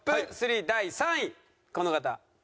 第３位この方。